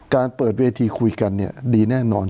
การเปิดเวทีคุยกันเนี่ยดีแน่นอน